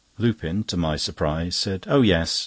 Lupin, to my surprise, said: "Oh yes.